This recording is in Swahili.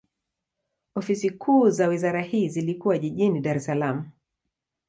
Ofisi kuu za wizara hii zilikuwa jijini Dar es Salaam.